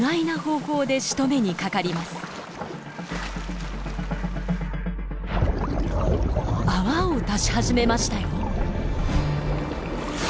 泡を出し始めましたよ。